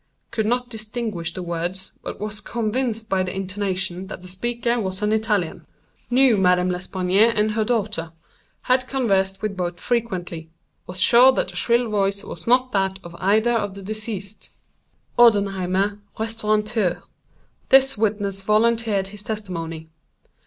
Could not distinguish the words, but was convinced by the intonation that the speaker was an Italian. Knew Madame L. and her daughter. Had conversed with both frequently. Was sure that the shrill voice was not that of either of the deceased. "——Odenheimer, restaurateur. This witness volunteered his testimony.